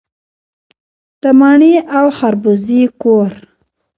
د مڼې او خربوزې کور.